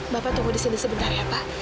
bapak tunggu disini sebentar ya pak